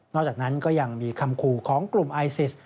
จากนั้นก็ยังมีคำขู่ของกลุ่มไอซิส